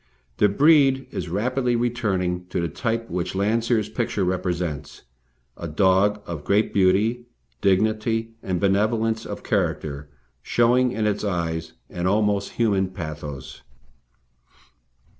The breed is rapidly returning to the type which Landseer's picture represents a dog of great beauty, dignity, and benevolence of character, showing in its eyes an almost human pathos.